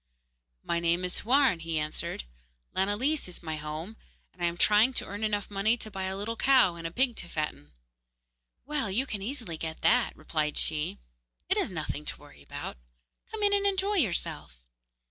'My name is Houarn,' he answered, 'Lanillis is my home, and I am trying to earn enough money to buy a little cow and a pig to fatten.' 'Well, you can easily get that,' replied she; 'it is nothing to worry about. Come in and enjoy yourself.